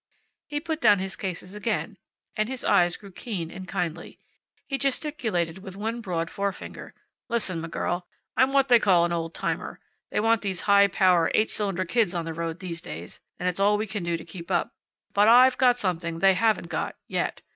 He put down his cases again, and his eyes grew keen and kindly. He gesticulated with one broad forefinger. "Listen, m' girl. I'm what they call an old timer. They want these high power, eight cylinder kids on the road these days, and it's all we can do to keep up. But I've got something they haven't got yet.